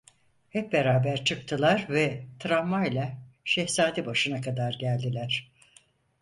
Hep beraber çıktılar ve tramvayla Şehzadebaşı’na kadar geldiler.